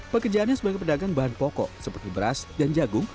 pekerjaannya sebagai pedagang bahan pokok seperti beras dan jagung